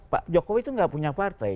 pak jokowi itu gak punya partai